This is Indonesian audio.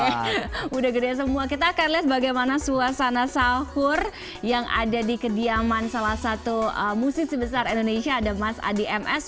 sudah gede semua kita akan lihat bagaimana suasana sahur yang ada di kediaman salah satu musisi besar indonesia ada mas adi ms